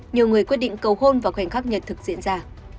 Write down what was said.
nhiều người quyết định cầu hôn vào khoảnh khắc nhật thực diễn ra